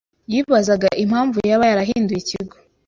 Yibazaga impamvu yaba yarahinduye ikigo